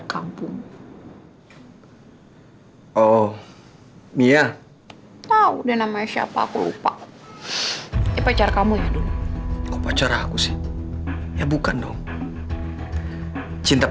sampai jumpa di video selanjutnya